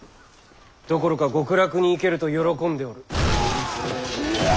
どころか極楽に行けると喜んでおる。